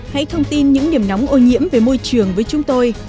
hãy thông tin những điểm nóng ô nhiễm về môi trường với chúng tôi